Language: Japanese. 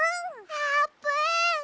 あーぷん！